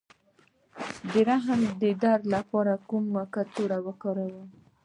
د رحم د درد لپاره کومه کڅوړه وکاروم؟